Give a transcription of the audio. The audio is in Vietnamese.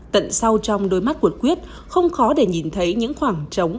tận sau trong đôi mắt của quyết không khó để nhìn thấy những khoảng trống